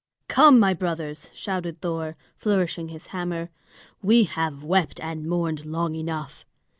"Come, my brothers!" shouted Thor, flourishing his hammer. "We have wept and mourned long enough.